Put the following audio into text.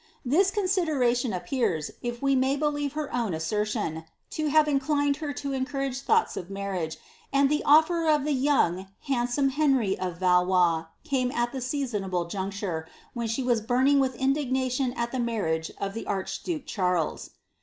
This consider«iioa appears, if we may believe her own swer tion, to have inclined her to encourage thoughta of marriage, aiid the ofier of the young, handsome Henry of Valois came at th« seasoaablc juncture, when she was burning with indignation at the marriage tt ite archduke Charles.